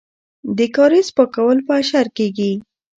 د کاریز پاکول په اشر کیږي.